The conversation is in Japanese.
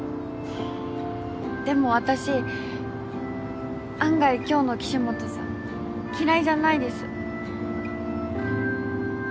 でも私案外今日の岸本さん嫌いじゃないです。